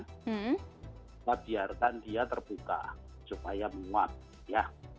kita biarkan dia terbuka supaya menguat ya